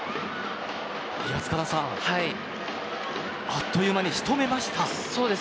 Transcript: あっという間に仕留めました。